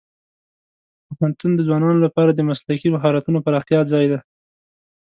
پوهنتون د ځوانانو لپاره د مسلکي مهارتونو پراختیا ځای دی.